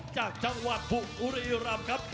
จากจังหวัดปุ๊กอุรีรัมครับ